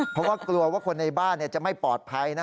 เพราะว่ากลัวว่าคนในบ้านจะไม่ปลอดภัย